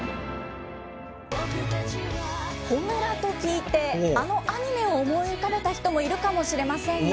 ホムラと聞いて、あのアニメを思い浮かべた人もいるかもしれませんが。